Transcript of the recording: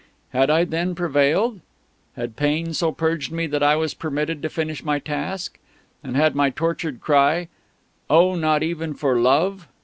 Had I, then, prevailed? Had Pain so purged me that I was permitted to finish my task? And had my tortured cry, "Oh, not even for Love?"